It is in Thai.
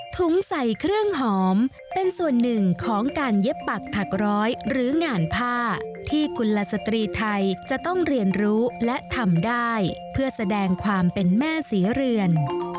ใส่เครื่องหอมเป็นส่วนหนึ่งของการเย็บปักถักร้อยหรืองานผ้าที่กุลสตรีไทยจะต้องเรียนรู้และทำได้เพื่อแสดงความเป็นแม่ศรีเรือน